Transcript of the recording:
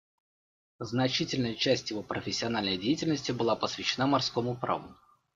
Значительная часть его профессиональной деятельности была посвящена морскому праву.